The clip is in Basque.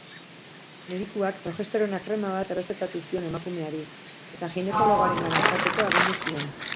Medikuak progesterona krema bat errezetatu zion emakumeari, eta ginekologoarengana joateko agindu zion.